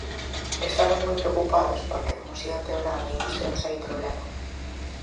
Estamos moi preocupados porque, como siga empeorando, imos ter un serio problema.